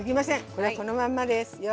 これはこのまんまですよ。